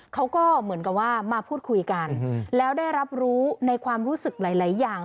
เขาก็เหมือนกับว่ามาพูดคุยกันแล้วได้รับรู้ในความรู้สึกหลายอย่าง